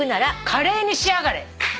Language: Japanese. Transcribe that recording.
カレーにしやがれ。